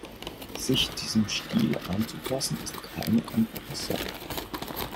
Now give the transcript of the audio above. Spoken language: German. Sich diesem Stil anzupassen, ist keine einfache Sache.